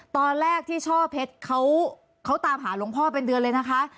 ตอนแรกที่ช่อเพชรเขาตามหาหลวงพ่อเป็นเดือนเลยนะคะ